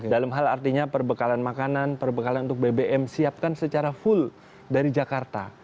dalam hal artinya perbekalan makanan perbekalan untuk bbm siapkan secara full dari jakarta